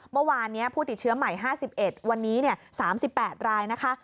เมื่อวานนี้ผู้ติดเชื้อใหม่๕๑วันนี้๓๘รายนะคะ